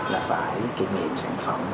là phải kỷ niệm sản phẩm